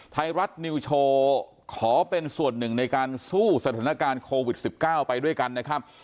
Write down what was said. ไทยรัฐนิวโชว์ขอเป็นส่วนหนึ่งในการสู้สถานการณ์โควิด๑๙ไปด้วยกันนะครับ